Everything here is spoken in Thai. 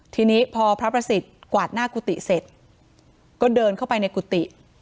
ทีนี้พอพระประสิทธิ์กวาดหน้ากุฏิเสร็จก็เดินเข้าไปในกุฏิ